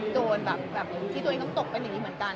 โดนแบบที่ตัวเองต้องตกเป็นอย่างนี้เหมือนกัน